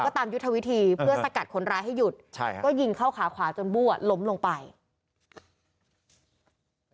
ก็ตามยุทธวิฒีท้ากัดคนล่ะให้หยุดยิงเข้าขาขวาต้องหัวล้มลงไป